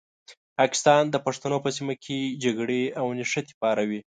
پاکستان د پښتنو په سیمه کې جګړې او نښتې پاروي.